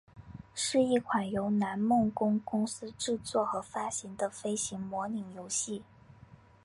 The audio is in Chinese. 是一款由南梦宫公司制作和发行的飞行模拟游戏。